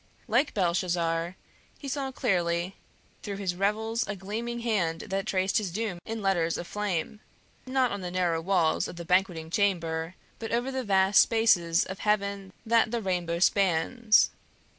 Like Belshazzar, he saw clearly through his revels a gleaming hand that traced his doom in letters of flame, not on the narrow walls of the banqueting chamber, but over the vast spaces of heaven that the rainbow spans.